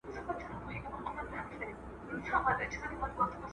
هغه سړی چې لنګۍ یې تړلې وه ډېر مهربانه و.